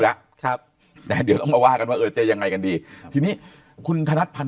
แล้วครับแต่เดี๋ยวมาว่ากันว่าก็จะยังไงกันดีคุณถนัดพันธุ์